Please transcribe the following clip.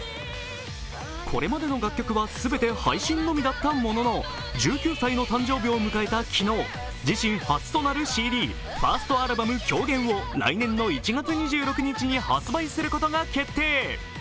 これまでの楽曲は全て配信のみだったものの１９歳の誕生日を迎えた昨日、自身初となるＣＤ、ファーストアルバム「狂言」を来年の１月２６日に発売することが決定。